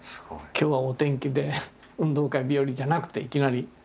「今日はお天気で運動会日和」じゃなくていきなり。